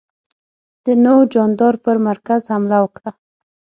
د نوح جاندار پر مرکز حمله وکړه.